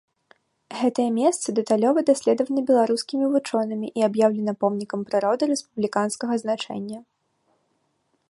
Гэтае месца дэталёва даследавана беларускімі вучонымі і аб'яўлена помнікам прыроды рэспубліканскага значэння.